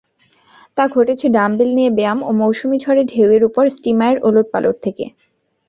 তা ঘটেছে ডাম্বেল নিয়ে ব্যায়াম ও মৌসুমী ঝড়ে ঢেউয়ের উপর ষ্টীমারের ওলটপালট থেকে।